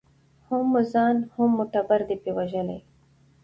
هم مو ځان هم مو ټبر دی په وژلی